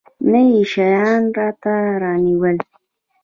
نه يې شيان راته رانيول.